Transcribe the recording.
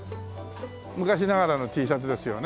昔ながらのＴシャツですよね。